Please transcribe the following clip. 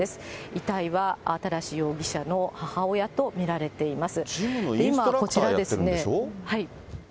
遺体は新容疑者の母親と見られています。